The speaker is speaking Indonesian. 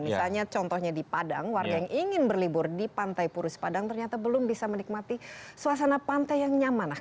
misalnya contohnya di padang warga yang ingin berlibur di pantai purus padang ternyata belum bisa menikmati suasana pantai yang nyaman